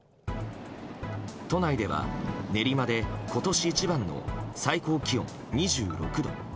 都内では練馬で今年一番の最高気温２６度。